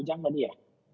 ujang tadi ya